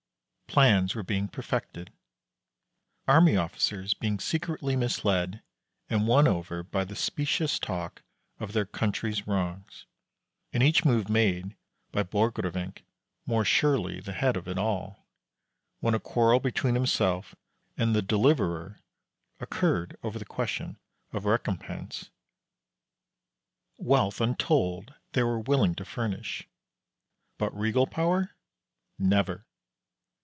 Plans were being perfected, army officers being secretly misled and won over by the specious talk of "their country's wrongs," and each move made Borgrevinck more surely the head of it all, when a quarrel between himself and the "deliverer" occurred over the question of recompense. Wealth untold they were willing to furnish; but regal power, never.